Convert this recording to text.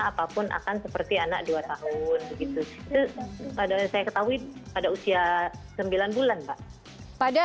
apapun akan seperti anak dua tahun begitu pada saya ketahui pada usia sembilan bulan pak pada